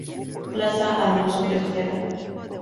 Plaza Alonso de Ojeda.